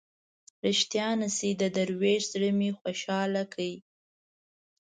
ریښتیا نه شي د دروېش زړه مې خوشاله کړ.